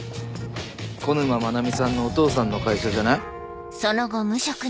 小沼真名美さんのお父さんの会社じゃない？